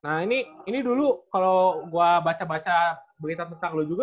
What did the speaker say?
nah ini dulu kalau gue baca baca berita tentang lo juga